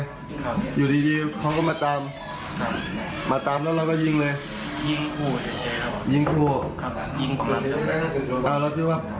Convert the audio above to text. ครับอยู่ดีเขาก็มาตามครับมาตามแล้วเราก็ยิงเลยยิงผัวเฉย